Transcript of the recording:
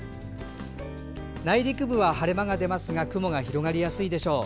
内陸部は晴れ間が出ますが雲が広がりやすいでしょう。